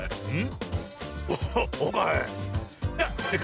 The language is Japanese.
うん。